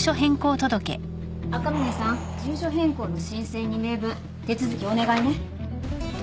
赤嶺さん住所変更の申請２名分手続きお願いね